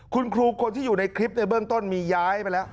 คุณครูคนที่อยู่ในคลิปในเบื้องต้นมีย้ายไปแล้ว